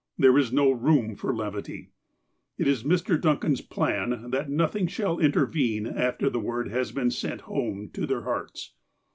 There is no room for levity. It is Mr. Duncan's plan that nothing shall intervene after the Word has been sent home to their hearts.